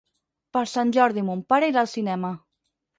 Per Sant Jordi mon pare irà al cinema.